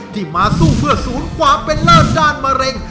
ที่มาสู้เพื่อศูนย์ความเป็นเลิศด้านมะเร็ง